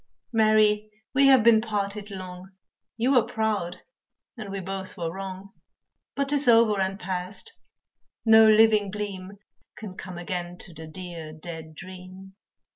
Mary, we have been parted long, You were proud, and we both were wrong, But 'tis over and past, no living gleam Can come again to the dear, dead dream.